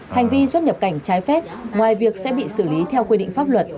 hành vi xuất nhập cảnh trái phép ngoài việc sẽ bị xử lý theo quy định pháp luật